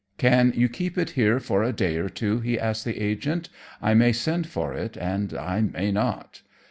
"Can you keep it here for a day or two?" he asked the agent. "I may send for it, and I may not."